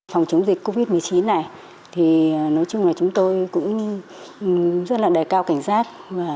phòng chống dịch covid một mươi chín này thì nói chung là chúng tôi cũng rất là đề cao cảnh giác